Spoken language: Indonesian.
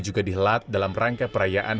juga dihelat dalam rangka perayaan